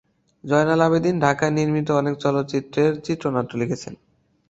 জয়নাল আবেদীন ঢাকায় নির্মিত অনেক চলচ্চিত্রের চিত্রনাট্য লিখেছেন।